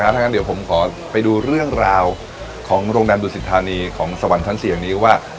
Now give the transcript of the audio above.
ถ้างั้นเดี๋ยวผมขอไปดูเรื่องราวของโรงแรมดุสิทธานีของสวรรค์ชั้นเสียงนี้ว่า